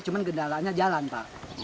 cuma gendalanya jalan pak